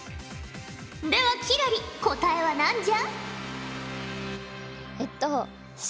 では輝星答えは何じゃ？